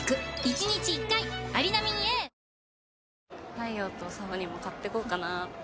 太陽と佐帆にも買ってこうかなって。